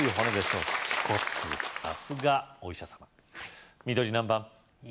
さすがお医者さま緑何番？